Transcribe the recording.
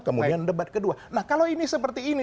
kemudian debat kedua nah kalau ini seperti ini